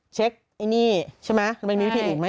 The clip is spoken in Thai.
เช็คอีกนี่ใช่ไหมมันมีวิเครียร์อีกไหม